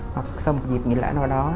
hoặc sau một dịp nghỉ lễ nào đó